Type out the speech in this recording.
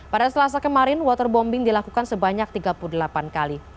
pada selasa kemarin waterbombing dilakukan sebanyak tiga puluh delapan kali